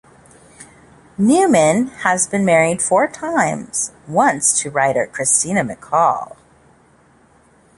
Newman has been married four times, once to writer Christina McCall.